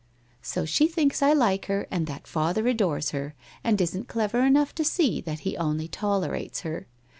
' So she thinks I like her and that father adores her, and isn't clever enough to see that he only tolerates her.